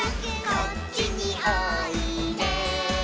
「こっちにおいで」